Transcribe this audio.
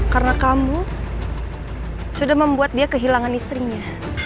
karena kamu sudah membuat dia kehilangan istrinya